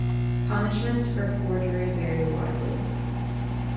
Punishments for forgery vary widely.